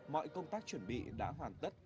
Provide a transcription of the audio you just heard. mọi công tác chuẩn bị đã hoàn tất